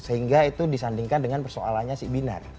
sehingga itu disandingkan dengan persoalannya si binar